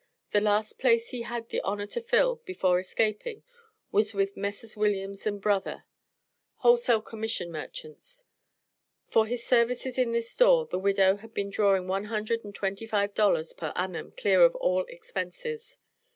The last place he had the honor to fill before escaping, was with Messrs. Williams and Brother, wholesale commission merchants. For his services in this store the widow had been drawing one hundred and twenty five dollars per annum, clear of all expenses.